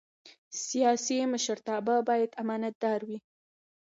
سیاسي مشرتابه باید امانتدار وي